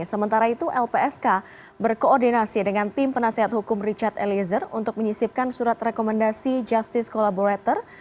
sementara itu lpsk berkoordinasi dengan tim penasehat hukum richard eliezer untuk menyisipkan surat rekomendasi justice collaborator